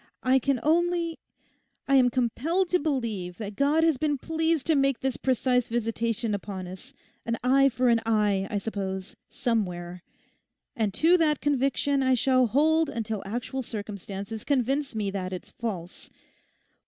I can only—I am compelled to believe that God has been pleased to make this precise visitation upon us—an eye for an eye, I suppose, somewhere. And to that conviction I shall hold until actual circumstances convince me that it's false.